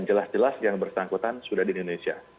dan jelas jelas yang bersangkutan sudah di indonesia